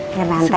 biar mama antar